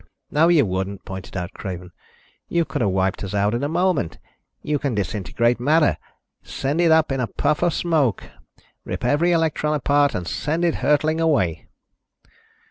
"No, you wouldn't," pointed out Craven. "You could have wiped us out in a moment. You can disintegrate matter. Send it up in a puff of smoke ... rip every electron apart and send it hurtling away."